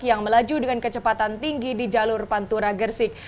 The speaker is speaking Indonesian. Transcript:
yang melaju dengan kecepatan tinggi di jalur pantura gersik